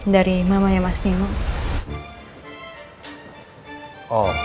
dari mama ya mas demo